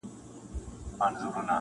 کټ یې مات کړ هر څه ولوېدل د لاندي-